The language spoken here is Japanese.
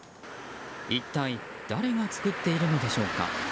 一体誰が作っているのでしょうか。